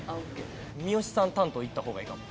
三好さん担当いった方がいいかも。